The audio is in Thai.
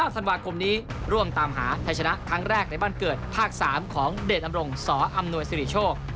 ธันวาคมนี้ร่วมตามหาไทยชนะครั้งแรกในบ้านเกิดภาค๓ของเดชอำรงสออำนวยสิริโชค